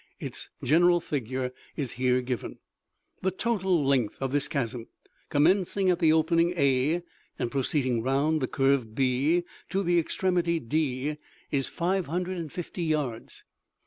Its general figure is here given. The total length of this chasm, commencing at the opening a and proceeding round the curve b to the extremity d, is five hundred and fifty yards.